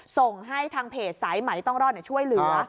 ส่งให้ทางเพจสายไหมต้องรอดช่วยเหลือ